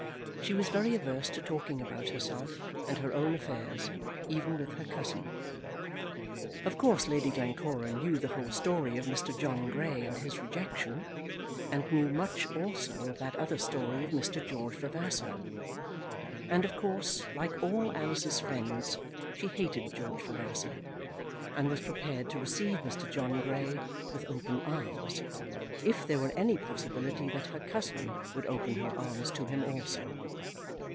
She was very averse to talking about herself and her own affairs, even with her cousin. Of course Lady Glencora knew the whole story of Mr. John Grey and his rejection, and knew much also of that other story of Mr. George Vavasor. And, of course, like all Alice's friends, she hated George Vavasor, and was prepared to receive Mr. John Grey with open arms, if there were any possibility that her cousin would open her arms to him also.